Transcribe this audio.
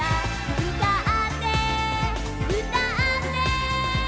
「うたってうたって」